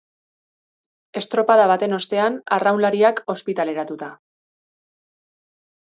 Estropada baten ostean arraunlariak ospitaleratuta.